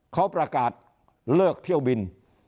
เขาประกาศเลิกเที่ยวบิน